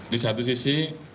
di satu sisi